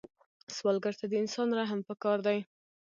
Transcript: سوالګر ته د انسان رحم پکار دی